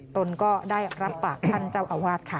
ตนก็ได้รับปากท่านเจ้าอาวาสค่ะ